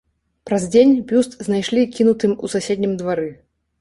Праз дзень бюст знайшлі кінутым у суседнім двары.